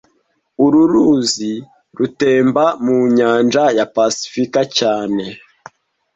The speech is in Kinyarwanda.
Uru ruzi rutemba mu nyanja ya pasifika cyane